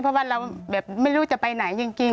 เพราะว่าเราแบบไม่รู้จะไปไหนจริง